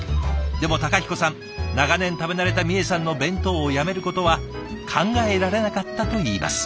でも孝彦さん長年食べ慣れたみえさんの弁当をやめることは考えられなかったと言います。